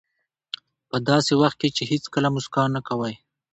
په داسې وخت کې چې هېڅکله موسکا نه کوئ.